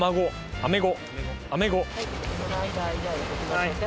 アメゴ。